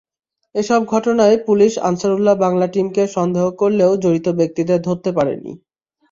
এসব ঘটনায় পুলিশ আনসারুল্লাহ বাংলা টিমকে সন্দেহ করলেও জড়িত ব্যক্তিদের ধরতে পারেনি।